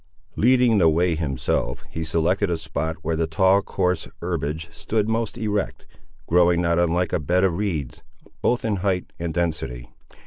Leading the way himself, he selected a spot where the tall coarse herbage stood most erect, growing not unlike a bed of reeds, both in height and density.